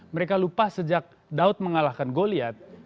mereka lupa sejak daud mengalahkan goliat